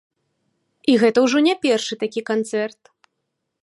І гэта ўжо не першы такі канцэрт!